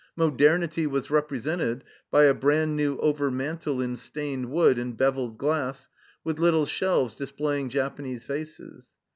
Modernity was represented by a brand new overmantle in stained wood and beveled glass, with little shelves displaying Japanese vases.